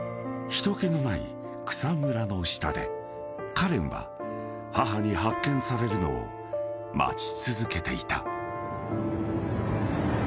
［人けのない草むらの下でカレンは母に発見されるのを待ち続けていた］